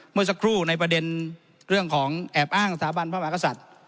เมื่อสักครู่ในประเด็นเรื่องของแอบอ้างสถาบันพระมหากษัตริย์